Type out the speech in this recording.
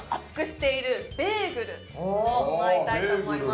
まいりたいと思います